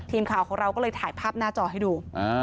ทีมข่าวของเราก็เลยถ่ายภาพหน้าจอให้ดู